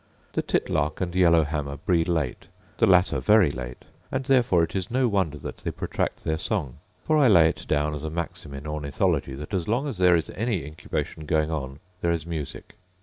The titlark and yellowhammer breed late, the latter very late; and therefore it is no wonder that they protract their song; for I lay it down as a maxim in ornithology, that as long as there is any incubation going on there is music.